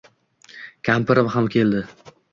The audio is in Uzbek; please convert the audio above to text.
Kampirim ham keldi.